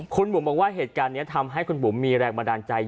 คุณบุ๋มบอกว่าเหตุการณ์นี้ทำให้คุณบุ๋มมีแรงบันดาลใจ